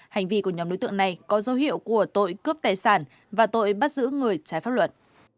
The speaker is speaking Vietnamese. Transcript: hành vi của nhóm đối tượng này có dấu hiệu của tội cướp tài sản và tội bắt giữ người trái pháp luật